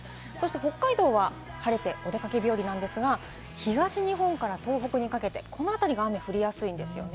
北海道は晴れてお出かけ日和なんですが、東日本から東北にかけて、このあたりが雨が降りやすいんですよね。